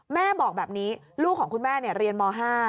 แม่บอกแบบนี้ลูกของคุณแม่เรียนม๕